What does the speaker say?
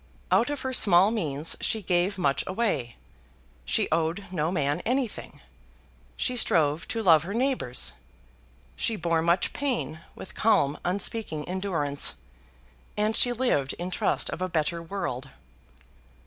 Out of her small means she gave much away. She owed no man anything. She strove to love her neighbours. She bore much pain with calm unspeaking endurance, and she lived in trust of a better world.